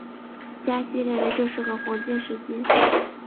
加西认为这是个黄金时机。